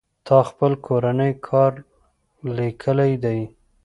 تا خپل کورنۍ کار ليکلى دئ.